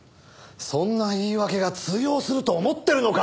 そんな言い訳が通用すると思ってるのか！？